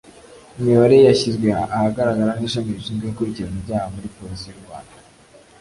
Imibare yashyizwe ahagaragara n’ishami rishinzwe gukurikirana ibyaha muri Polisi y’u Rwanda